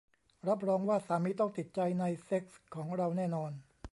รับรองว่าสามีต้องติดใจในเซ็กส์ของเราแน่นอน